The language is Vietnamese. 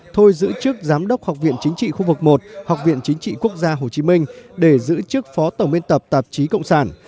thôi giữ chức giám đốc học viện chính trị khu vực một học viện chính trị quốc gia hồ chí minh để giữ chức phó tổng biên tập tạp chí cộng sản